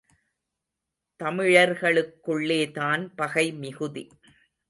தமிழர்களுக்குள்ளேதான் பகை மிகுதி.